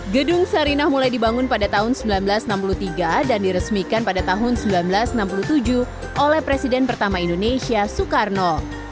gedung sarinah mulai dibangun pada tahun seribu sembilan ratus enam puluh tiga dan diresmikan pada tahun seribu sembilan ratus enam puluh tujuh oleh presiden pertama indonesia soekarno